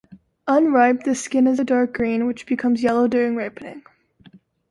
Unripe, the skin is a dark green, which becomes yellow during ripening.